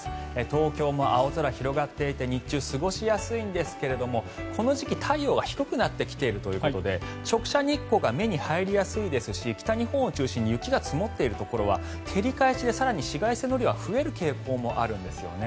東京も青空が広がっていて日中、過ごしやすいんですがこの時期太陽が低くなってきているということで直射日光が目に入りやすいですし北日本を中心に雪が積もっているところは照り返しで紫外線の量が増える傾向もあるんですね。